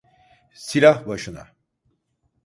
Silah başına!